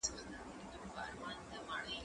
که وخت وي، پاکوالي ساتم؟!